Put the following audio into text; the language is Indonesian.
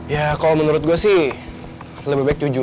ya kalau menurut gue sih lebih baik tujuh